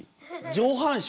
上半身？